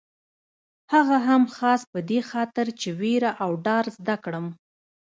هغه هم خاص په دې خاطر چې وېره او ډار زده کړم.